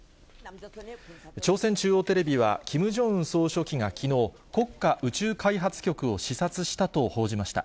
朝鮮中央テレビは、キム・ジョンウン総書記がきのう、国家宇宙開発局を視察したと報じました。